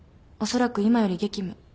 おそらく今より激務。